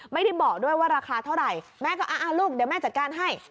ไม่ได้บอกด้วยว่าราคาเท่าไหร่แม่ก็ลูกเดี๋ยวแม่จัดการให้